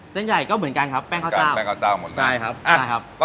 เส้นใหญ่ก็เหมือนกันครับแป้งข้าวเจ้าใช่ครับกันแป้งข้าวเจ้าหมดแล้ว